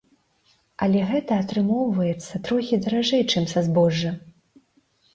Але гэта атрымоўваецца трохі даражэй чым са збожжа.